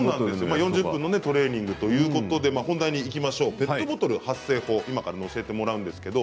４０分のトレーニングということでペットボトル発声法今から教えてもらいます。